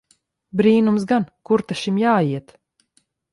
Brīnums gan! Kur ta šim jāiet!